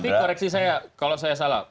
ini koreksi saya kalau saya salah